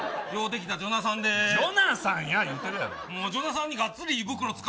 ジョナサンや言うてるやよ。